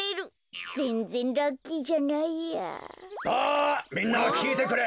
あみんなきいてくれ。